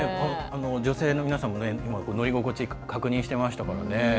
女性の皆さんも乗り心地確認してましたからね。